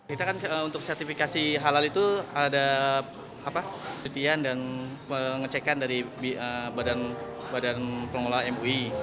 kita kan untuk sertifikasi halal itu ada cutian dan pengecekan dari badan pengelola mui